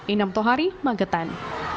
inam tohari magetan